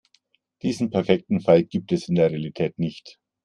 Diesen perfekten Fall gibt es in der Realität nicht.